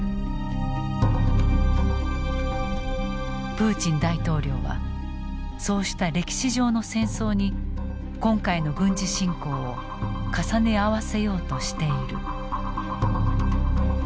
プーチン大統領はそうした歴史上の戦争に今回の軍事侵攻を重ね合わせようとしている。